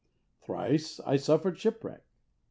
" Thrice I suffered shipwreck."